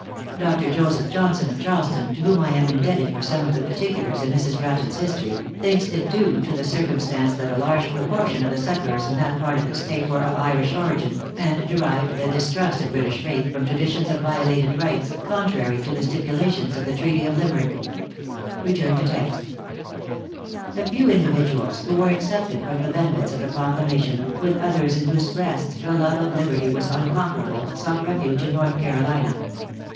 Dr. Joseph Johnson of Charleston, to whom I am indebted for some of the particulars in Mrs. Bratton's history, thinks it due to the circumstance that a large proportion of the settlers in that part of the State were of Irish origin, and derived their distrust of British faith from traditions of violated rights, contrary to the stipulations of the treaty of Limerick. A few individuals, who were excepted from the benefits of the proclamation, with others in whose breasts the love of liberty was unconquerable, sought refuge in North Carolina.